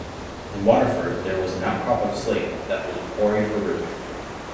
In Waterford there was an outcrop of slate that was quarried for roofing.